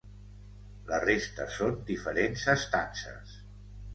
La resta són diferents estances.